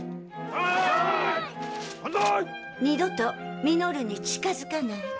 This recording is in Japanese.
二度と稔に近づかないで。